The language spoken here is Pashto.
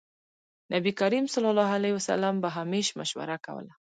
نبي کريم ص به همېش مشوره کوله.